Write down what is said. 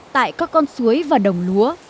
tại các con suối và đồng lúa